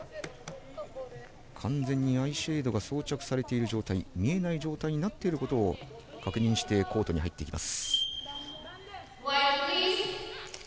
完全にアイシェードが装着されている状態見えない状態になっていることを確認してコートに入っていきます。